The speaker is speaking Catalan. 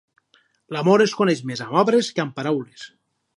L'amor es coneix més amb obres que amb paraules.